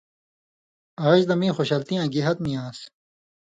آژ لہ مِیں خوشالتیاں گی حد نی آن٘س۔